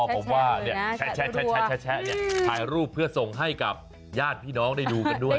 ผมว่าแชะถ่ายรูปเพื่อส่งให้กับญาติพี่น้องได้ดูกันด้วย